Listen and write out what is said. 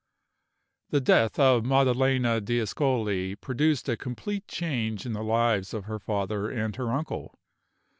The death of Maddalena d'Ascoli produced a complete change in the lives of her father and her uncle.